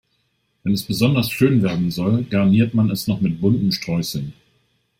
Wenn es besonders schön werden soll, garniert man es noch mit bunten Streuseln.